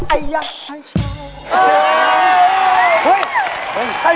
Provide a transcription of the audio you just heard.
ไออาชัยเอ้ยไป๖